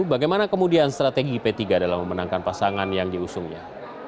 bagaimana kemudian strategi p tiga dalam memenangkan pasangan yang diusungnya